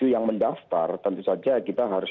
dua puluh tujuh yang mendaftar tentu saja kita harus